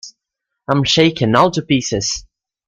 I'm shaken all to pieces!